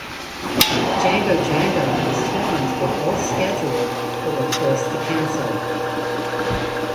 Django Django and Swans were both scheduled but were forced to cancel.